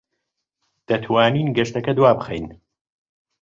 دەتوانین گەشتەکە دوابخەین؟